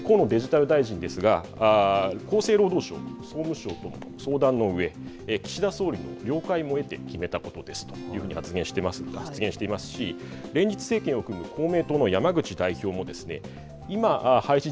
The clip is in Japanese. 河野デジタル大臣ですが厚生労働省、総務省と相談のうえ岸田総理の了解も得て決めたことですというふうに発言していますし連立政権を組む公明党の山口代表もですね